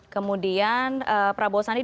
kemudian prabowo sandi dua puluh delapan enam